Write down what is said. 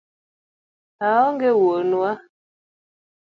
Aonge wuonwa